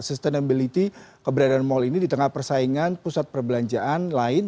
sustainability keberadaan mal ini di tengah persaingan pusat perbelanjaan lain